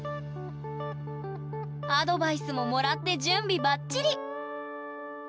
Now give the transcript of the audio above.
アドバイスももらって準備ばっちり！